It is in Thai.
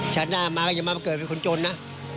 ชาติหน้าใหม่มะเกิดแล้วนะ